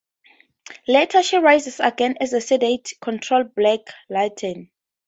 Later she rises again as a sedate, controlled Black Lantern.